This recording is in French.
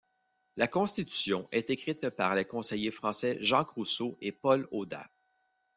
La Constitution est écrite par les conseillers français Jacques Rousseau et Paul Audat.